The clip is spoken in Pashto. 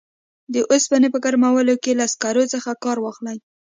د اوسپنې په ګرمولو کې له سکرو څخه کار واخلي.